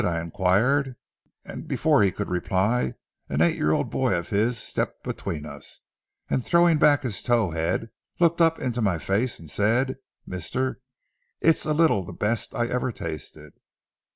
I inquired, and before he could reply an eight year old boy of his stepped between us, and throwing back his tow head, looked up into my face and said: 'Mister, it's a little the best I ever tasted.'"